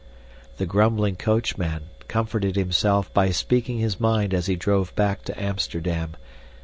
The grumbling coachman comforted himself by speaking his mind as he drove back to Amsterdam.